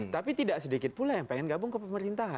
tapi tidak sedikit pula yang pengen gabung ke pemerintahan